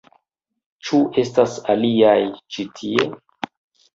Ĉu estas aliaj ĉi tie?